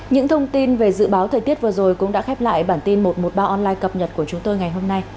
những thông tin về dự báo thời tiết vừa rồi cũng đã khép lại bản tin một trăm một mươi ba online cập nhật của chúng tôi ngày hôm nay